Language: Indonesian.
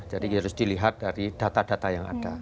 jadi harus dilihat dari data data yang ada